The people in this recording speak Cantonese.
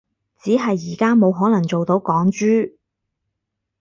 只係而家冇可能做到港豬